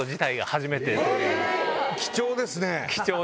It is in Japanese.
貴重ですね。